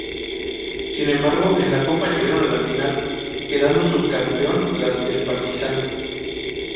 Sin embargo en la Copa llegaron a la final, quedando subcampeón tras el Partizan.